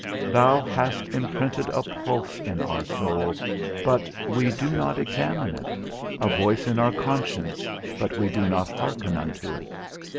Thou hast imprinted a pulse in our soul, but we do not examine it; a voice in our conscience, but we do not hearken unto it.